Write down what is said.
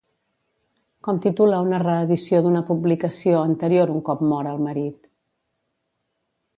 Com titula una reedició d'una publicació anterior un cop mor el marit?